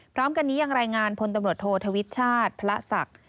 พร้อมกันนี้ยังรายงานพลตำรวจโทษธวิชชาติพระศักดิ์